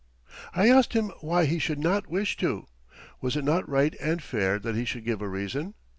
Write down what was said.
I asked him why he should not wish to? Was it not right and fair that he should give a reason?